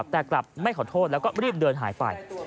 แต่กลับไม่ขอโทษแล้วก็รีบเดินหายไป